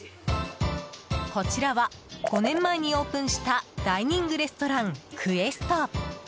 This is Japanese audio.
こちらは５年前にオープンしたダイニングレストランＱＵＥＳＴ。